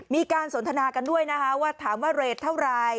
มีการสนทนากันด้วยนะคะว่าถามว่าเรทเท่าไร